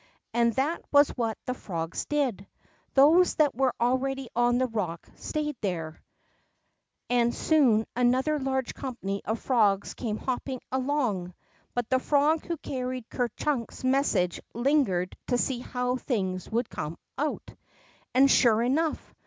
And that was what the frogs did. Those that were already on the rock stayed there, and soon another large company of frogs came hopping along. But the frog who carried Ker Chunk's message lingered to see how things would come out. And, sure enough.